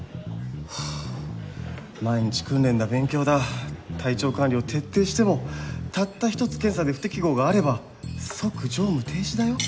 毎日訓練だ勉強だ体調管理を徹底してもたった一つ検査で不適合があれば即乗務停止だよ？